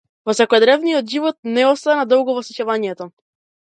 Во секојдневниот живот не остана долго во сеќавањето.